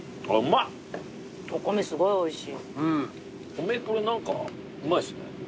米これ何かうまいっすね。